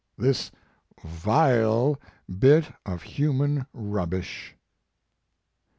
2OJ This vile bit of human rubbish."